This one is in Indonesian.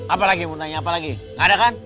apa lagi mau tanya apa lagi nggak ada kan